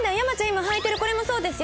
今履いてるこれもそうですよ